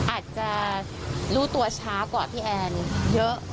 อาจจะรู้ตัวช้ากว่าพี่แอนเยอะ